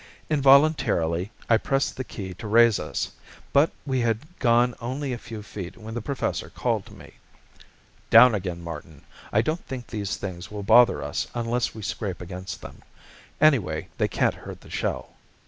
Involuntarily I pressed the key to raise us. But we had gone only a few feet when the Professor called to me. "Down again, Martin. I don't think these things will bother us unless we scrape against them. Anyway they can't hurt the shell."